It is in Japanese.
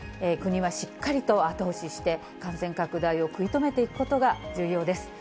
国はしっかりと後押しして、感染拡大を食い止めていくことが重要です。